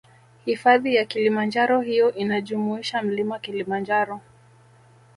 Hifadhi ya kilimanjaro hiyo inajumuisha mlima kilimanjaro